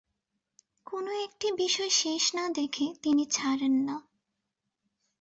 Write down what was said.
কোনো-একটি বিষয় শেষ না-দেখে তিনি ছাড়েন না।